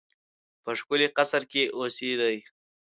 په ښکلي قصر کې اوسېدی.